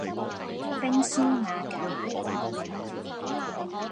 冰消瓦解